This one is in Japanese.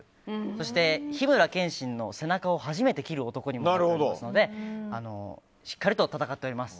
そして、緋村剣心の背中を初めて斬る男にもなりますのでしっかりと戦っております。